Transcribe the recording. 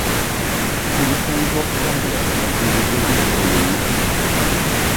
He returned to Australia where he rejoined Bulleen.